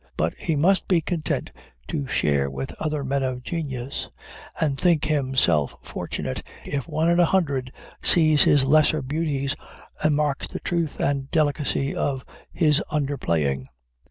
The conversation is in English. But he must be content to share with other men of genius, and think himself fortunate if one in a hundred sees his lesser beauties, and marks the truth and delicacy of his under playing.